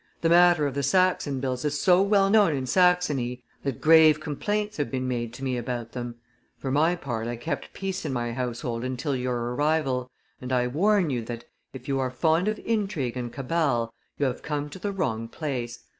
The matter of the Saxon bills is so well known in Saxony that grave complaints have been made to me about them. For my part, I kept peace in my household until your arrival, and I warn you that, if you are fond of intrigue and cabal, you have come to the wrong place.